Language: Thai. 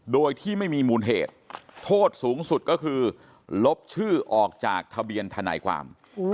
โดยที่ไม่มีมูลเหตุโทษสูงสุดก็คือลบชื่อออกจากทะเบียนทนายความ